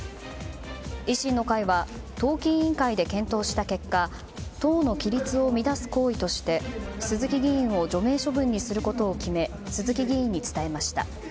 維新の会は党紀委員会で検討した結果党の規律を乱す行為として鈴木議員を除名処分にすることを決め鈴木議員に伝えました。